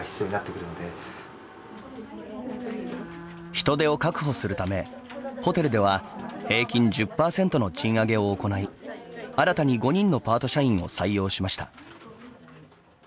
人手を確保するためホテルでは平均１０％の賃上げを行い新たに５人のパート社員を採用しました。